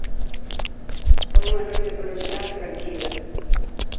Foi unha noite polo xeral tranquila.